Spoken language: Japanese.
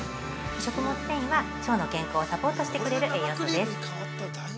食物繊維は、腸の健康をサポートしてくれる栄養素です。